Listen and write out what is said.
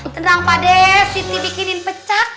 tenang pakde siti bikinin pecak